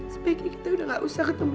sebaiknya kita udah gak usah ketemu